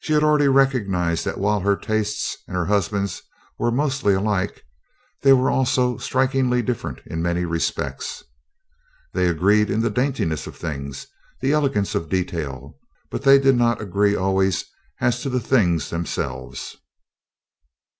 She had already recognized that while her tastes and her husband's were mostly alike, they were also strikingly different in many respects. They agreed in the daintiness of things, the elegance of detail; but they did not agree always as to the things themselves.